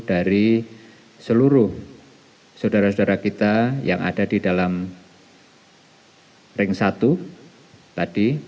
dari seluruh saudara saudara kita yang ada di dalam ring satu tadi